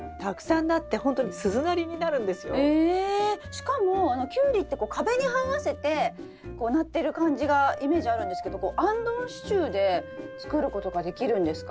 しかもキュウリって壁にはわせてこうなってる感じがイメージあるんですけどあんどん支柱で作ることができるんですか？